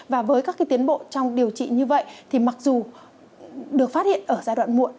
và với các tiến bộ trong điều trị như vậy thì mặc dù được phát hiện ở giai đoạn muộn